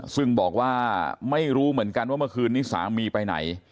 ซึ่งบอกว่าไม่รู้เหมือนกันว่าเมื่อคืนนี้สามีไปไหน